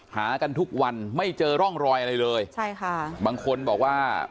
หากันทุกวันไม่เจอร่องรอยอะไรเลยใช่ค่ะบางคนบอกว่า